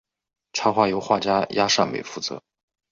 插画由画家亚沙美负责。